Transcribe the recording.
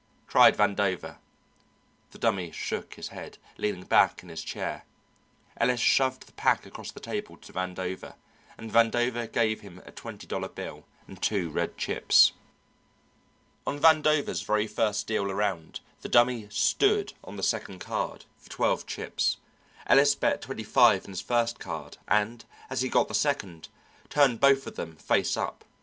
cried Vandover. The Dummy shook his head, leaning back in his chair. Ellis shoved the pack across the table to Vandover, and Vandover gave him a twenty dollar bill and two red chips. On Vandover's very first deal around, the Dummy "stood" on the second card, for twelve chips; Ellis bet twenty five on his first card, and, as he got the second, turned both of them face up.